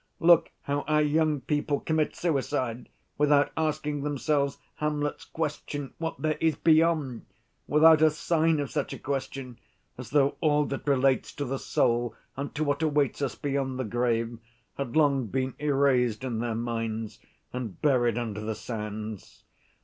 Look how our young people commit suicide, without asking themselves Hamlet's question what there is beyond, without a sign of such a question, as though all that relates to the soul and to what awaits us beyond the grave had long been erased in their minds and buried under the sands.